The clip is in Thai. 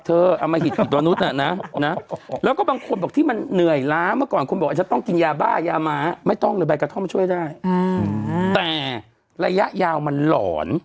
แต่ระยะยาวมันหล่อน